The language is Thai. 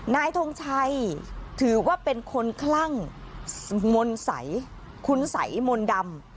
ทงชัยถือว่าเป็นคนคลั่งมนต์ใสคุณสัยมนต์ดำ